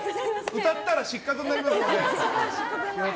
歌ったら失格になりますので。